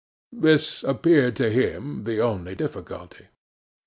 This appeared to him, the only difficulty.